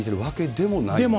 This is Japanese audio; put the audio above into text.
でもない。